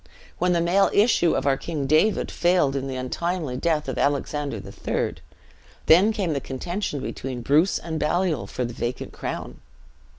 When the male issue of our King David failed in the untimely death of Alexander III., then came the contention between Bruce and Baliol for the vacant crown.